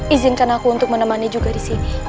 izinkan aku untuk menemani juga disini